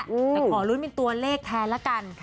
แต่ขอลุ้นเป็นตัวเลขแทนละกัน